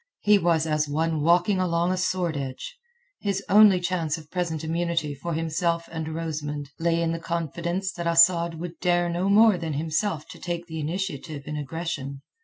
He was as one walking along a sword edge. His only chance of present immunity for himself and Rosamund lay in the confidence that Asad would dare no more than himself to take the initiative in aggression.